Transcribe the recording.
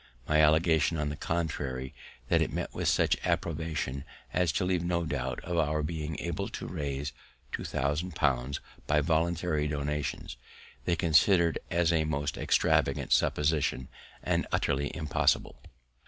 My allegation on the contrary, that it met with such approbation as to leave no doubt of our being able to raise two thousand pounds by voluntary donations, they considered as a most extravagant supposition, and utterly impossible.